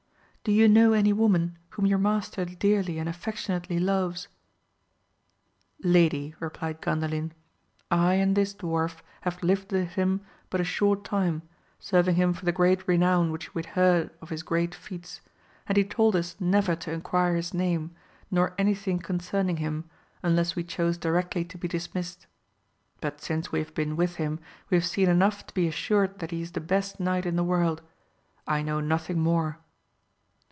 Do you know any woman whom yoifr master dearly and affectionately loves? Lady, replied Gandalin, I and this dwarf have lived with him but a 270 AMADIS OF GAUL, short time, serving him for the great renown which we had heard of his great feats, and he told us never to enquire his name, nor anything concerning him, unless we chose directly to be dismissed. But since we have been with him we have seen enough to be assured that he is the best knight in the world : I know nothing more.